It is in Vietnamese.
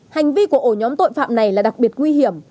hành vi của ổ nhóm tội phạm này là đặc biệt nguy hiểm